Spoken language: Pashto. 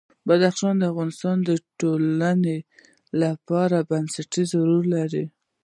بدخشان د افغانستان د ټولنې لپاره بنسټيز رول لري.